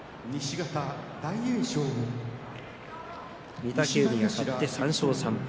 御嶽海が勝って３勝３敗。